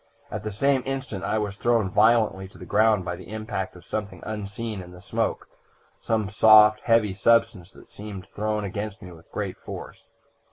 At the same instant I was thrown violently to the ground by the impact of something unseen in the smoke some soft, heavy substance that seemed thrown against me with great force.